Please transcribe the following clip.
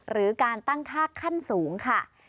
หรือการตั้งค่าขั้นสูงค่ะ